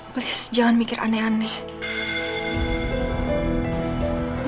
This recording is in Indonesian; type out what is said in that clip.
please jangan mikir aneh aneh